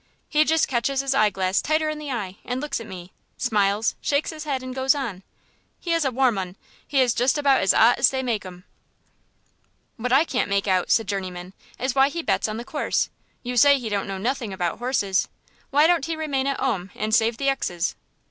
He just catches his hie glass tighter in eye and looks at me, smiles, shakes his head, and goes on. He is a warm 'un; he is just about as 'ot as they make 'em." "What I can't make out," said Journeyman, "is why he bets on the course. You say he don't know nothing about horses. Why don't he remain at 'ome and save the exes?"